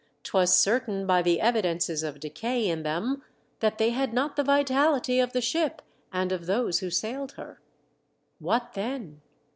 'Twas certain by the evidences of decay in them that they had not the vitality of the ship and of those who sailed her. What then